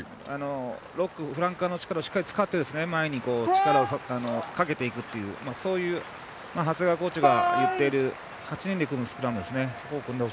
フランカーの力をしっかり使って前に力をかけていくというそういう長谷川コーチが言っている８人で組むスクラムですね。